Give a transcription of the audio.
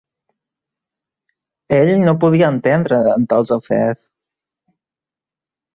Ell no podia entendre en tals afers.